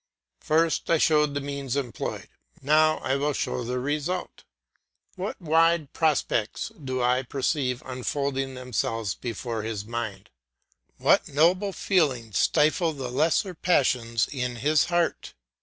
First I showed the means employed, now I will show the result. What wide prospects do I perceive unfolding themselves before his mind! What noble feelings stifle the lesser passions in his heart!